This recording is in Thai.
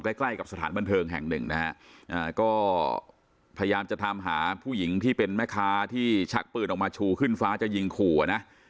ใกล้ใกล้กับสถานบันเทิงแห่งหนึ่งนะฮะก็พยายามจะถามหาผู้หญิงที่เป็นแม่ค้าที่ชักปืนออกมาชูขึ้นฟ้าจะยิงขู่อ่ะนะ